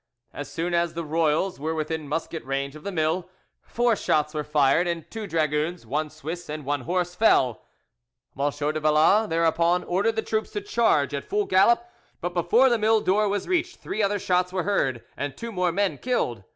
As soon as the royals were within musket range of the mill, four shots were fired, and two dragoons, one Swiss, and one horse, fell. M. de Valla thereupon ordered the troops to charge at full gallop, but before the mill door was reached three other shots were heard, and two more men killed.